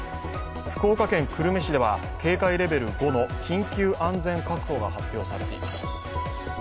福岡県久留米市では警戒レベル５の緊急安全確保が発表されています。